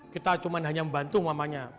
kita hanya membantu umpamanya